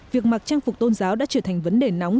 việc mặc trang phục tôn giáo đã trở thành vấn đề nóng